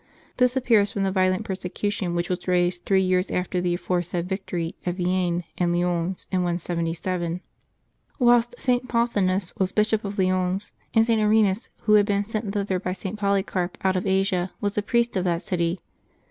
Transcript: This ap pears from the violent persecution which was raised three years after the aforesaid victory, at Vienne and Lyons, in 177, whilst St. Pothinus was Bishop of Lyons, and St. Irenasus, who had been sent thither by St. Polycarp out of Asia, was a priest of that city.